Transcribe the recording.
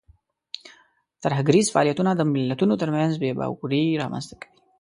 ترهګریز فعالیتونه د ملتونو ترمنځ بې باوري رامنځته کوي.